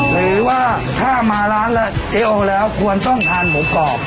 หรือว่าถ้ามาร้านเจ๊โอแล้วควรต้องทานหมูกรอบ